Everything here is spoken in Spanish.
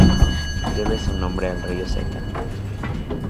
Debe su nombre al río Zeta.